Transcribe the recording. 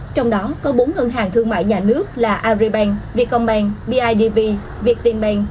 trong đó có bốn ngân hàng thương mại nhà nước là arribank vietcom bank bidv vietteam bank